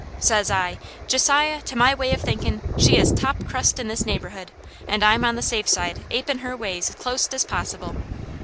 Says I, 'Josiah, to my way of thinkin', she is top crust in this neighbourhood, and I'm on the safe side apin' her ways clost as possible.'"